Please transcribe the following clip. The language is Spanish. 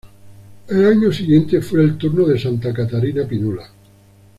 El año siguiente fue el turno de Santa Catarina Pinula.